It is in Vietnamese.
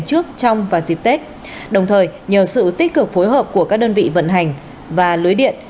trước trong và dịp tết đồng thời nhờ sự tích cực phối hợp của các đơn vị vận hành và lưới điện